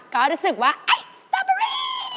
ก็รู้สึกว่าไอ้สต้าเบอรี่